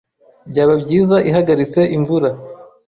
Byaba byiza ihagaritse imvura.